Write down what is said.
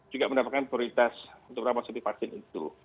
juga mendapatkan prioritas untuk berapa sepi vaksin itu